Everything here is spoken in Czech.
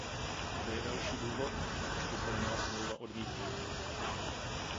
To je další důvod, proč by se měla smlouva odmítnout.